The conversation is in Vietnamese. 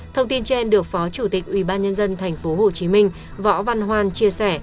thông tin trên được phó chủ tịch ubnd tp hcm võ văn hoan chia sẻ